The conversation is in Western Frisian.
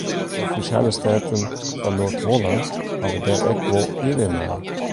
De Provinsjale Steaten fan Noard-Hollân hawwe dêr ek wol earen nei.